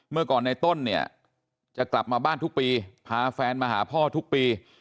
เมื่อก่อนในต้นเนี่ยจะกลับมาบ้านทุกปีพาแฟนมาหาพ่อทุกปี